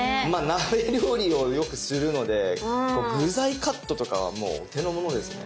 鍋料理をよくするので具材カットとかはもうお手の物ですね。